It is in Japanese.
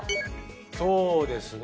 そうですね。